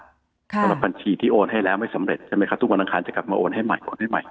สำหรับบัญชีที่โอนให้แล้วไม่สำเร็จทุกบันดังคารจะกลับมาโอนให้ใหม่